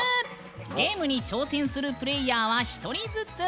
ゲームに挑戦するプレイヤーは１人ずつ。